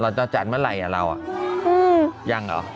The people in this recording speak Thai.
เราจะจัดเมื่อไหร่อ่ะเราอ่ะยังหรอ